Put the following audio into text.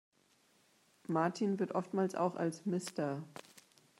Martin wird oftmals auch als "Mr.